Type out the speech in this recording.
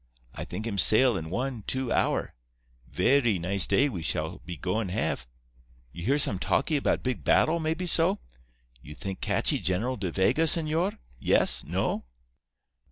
I think him sail in one, two hour. Verree nice day we shall be goin' have. You hear some talkee 'bout big battle, maybe so? You think catchee General De Vega, señor? Yes? No?